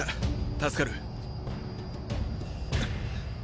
助かる。